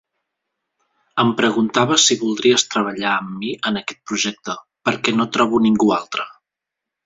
Em preguntava si voldries treballar amb mi en aquest projecte, perquè no trobo ningú altre.